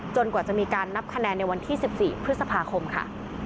กว่าจะมีการนับคะแนนในวันที่๑๔พฤษภาคมค่ะ